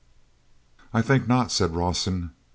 "I think not," said Rawson.